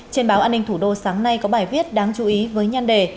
trên báo an ninh thủ đô sáng nay có bài viết đáng chú ý với nhân đề